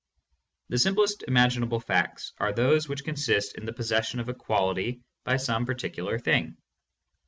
The simplest imaginable facts are those which consist in the possession of a quality by some particular thing.